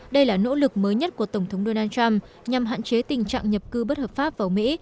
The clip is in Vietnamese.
đây là nỗ lực mới nhất của tổng thống donald trump nhằm hạn chế tình trạng nhập cư bất hợp pháp vào mỹ